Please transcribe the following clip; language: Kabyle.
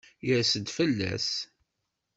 Irs-d fell-as.